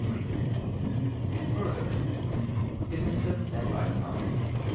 3: Further, it has been said by some [*Cf.